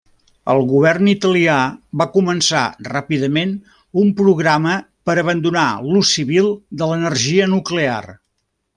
El govern italià va començar ràpidament un programa per abandonar l'ús civil de l'energia nuclear.